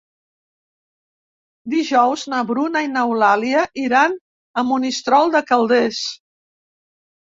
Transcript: Dijous na Bruna i n'Eulàlia iran a Monistrol de Calders.